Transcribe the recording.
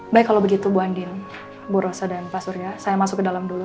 baik kalau begitu bu andil bu rosa dan pak surya saya masuk ke dalam dulu